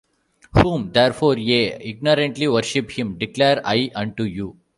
Whom therefore ye ignorantly worship, him declare I unto you.